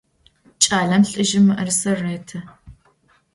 Ç'alem lh'ızjım mı'erıser rêtı.